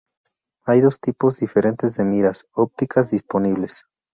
Hay dos tipos diferentes de miras ópticas disponibles.